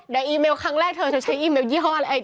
เดี๋ยวอีเมลครั้งแรกถ้าเธอจะใช้อีเมลยี่ห้ออะไรอะ